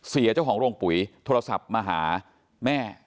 เจ้าของโรงปุ๋ยโทรศัพท์มาหาแม่